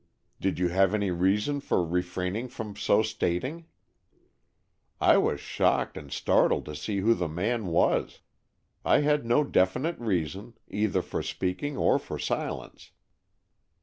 "Did you have any reason for refraining from so stating?" "I was shocked and startled to see who the man was. I had no definite reason, either for speaking or for silence."